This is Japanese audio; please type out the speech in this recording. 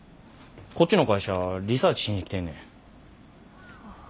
こっちの会社リサーチしに来てんねん。